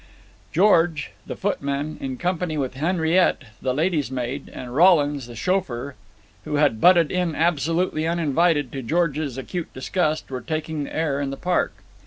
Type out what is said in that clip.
George, the footman, in company with Henriette, the lady's maid, and Rollins, the chauffeur, who had butted in absolutely uninvited to George's acute disgust, were taking the air in the park.